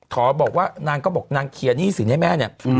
ขอบอกว่านางก็บอกนางเคลียร์หนี้สินให้แม่เนี่ย